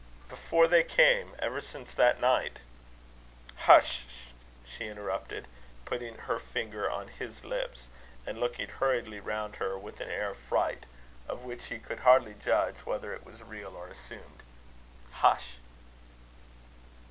"Before they came, ever since that night " "Hush sh!" she interrupted, putting her finger on his lips, and looking hurriedly round her with an air of fright, of which he could hardly judge whether it was real or assumed "hush!"